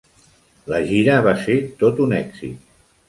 La gira va ser tot un èxit.